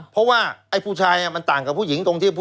เพราะว่าผู้ชายมันต่างกับผู้หญิง